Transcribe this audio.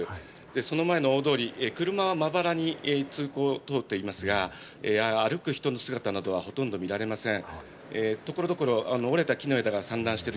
その前の大通り、車はまばらで通行人も通っていますが、歩く人の姿などはほとんど見られません。